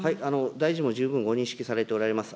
大臣も十分ご認識されておられます。